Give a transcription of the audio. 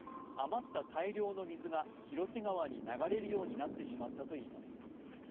まった大量の水が広瀬川に流れるようになってしまったといいます。